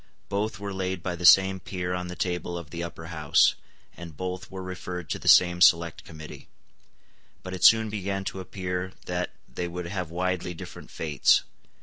Both were laid by the same peer on the table of the Upper House; and both were referred to the same select committee. But it soon began to appear that they would have widely different fates.